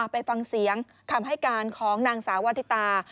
ไปฟังเสียงคำให้การของนางสาววาทิตา